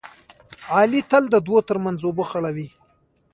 علي تل د دوو ترمنځ اوبه خړوي.